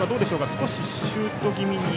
少しシュート気味に。